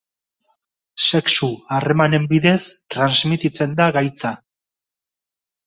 Sexu harremanen bidez transmititzen da gaitza.